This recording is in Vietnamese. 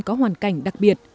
có hoàn cảnh đặc biệt